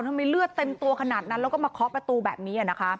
เลือดเต็มตัวขนาดนั้นแล้วก็มาเคาะประตูแบบนี้นะคะ